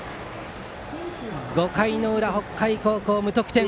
５回の裏、北海高校は無得点。